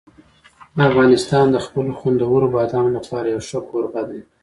افغانستان د خپلو خوندورو بادامو لپاره یو ښه کوربه دی.